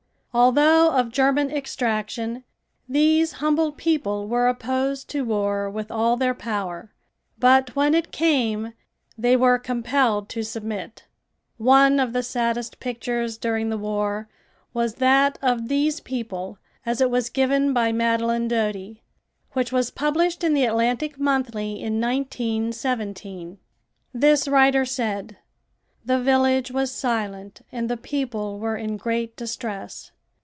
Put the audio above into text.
Although of German extraction, these humble people were opposed to war with all their power, but when it came they were compelled to submit. One of the saddest pictures during the war was that of these people as it was given by Madaline Doty, which was published in the Atlantic Monthly in 1917. This writer said: "The village was silent and the people were in great distress.